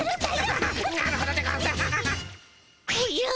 アハハなるほどでゴンス。